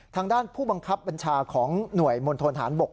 ทางด้านผู้บังคับบัญชาของหน่วยมณฑนฐานบก